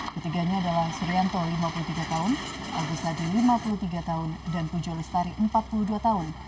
ketiganya adalah suryanto lima puluh tiga tahun agustadi lima puluh tiga tahun dan pujolistari empat puluh dua tahun